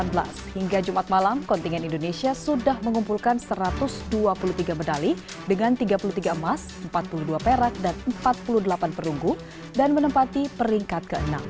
hingga jumat malam kontingen indonesia sudah mengumpulkan satu ratus dua puluh tiga medali dengan tiga puluh tiga emas empat puluh dua perak dan empat puluh delapan perunggu dan menempati peringkat ke enam